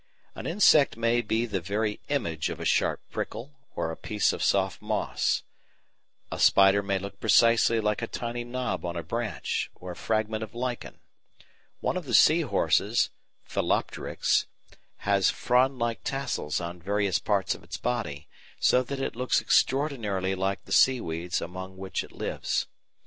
An insect may be the very image of a sharp prickle or a piece of soft moss; a spider may look precisely like a tiny knob on a branch or a fragment of lichen; one of the sea horses (Phyllopteryx) has frond like tassels on various parts of its body, so that it looks extraordinarily like the seaweeds among which it lives.